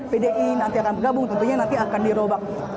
pdi nanti akan bergabung tentunya nanti akan dirobak